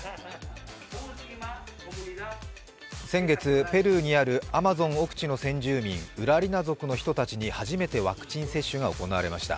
先月、ペルーにある、アマゾン奥地の先住民ウラリナ族の人たちに初めてワクチン接種が行われました。